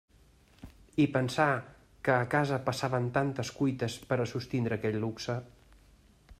I pensar que a casa passaven tantes cuites per a sostindre aquell luxe!